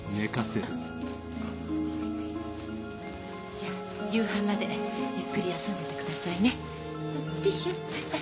じゃあ夕飯までゆっくり休んでてくださいね。